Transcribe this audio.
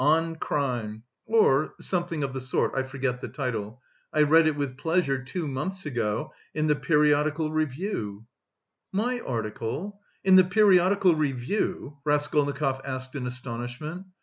'On Crime'... or something of the sort, I forget the title, I read it with pleasure two months ago in the Periodical Review." "My article? In the Periodical Review?" Raskolnikov asked in astonishment.